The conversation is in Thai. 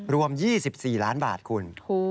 รวม๒๔ล้านบาทคุณ